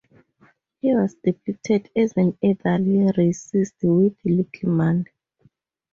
He was depicted as an elderly racist with little money.